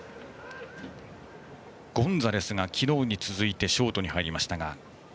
ゴンザレスが昨日に続いてショートに入りましたが。